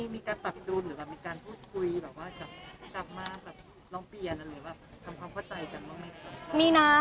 มีการปรับดูหรือแบบมีการพูดคุยแบบว่ากลับมาแบบร้องเปลี่ยนหรือว่าทำความเข้าใจกันบ้างไหมคะ